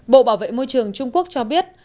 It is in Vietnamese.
bộ bảo vệ môi trường trung quốc cho biết